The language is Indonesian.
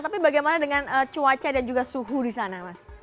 tapi bagaimana dengan cuaca dan suhu di sana